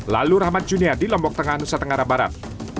lalu rahmat junia di lombok tengah nusa tenggara barat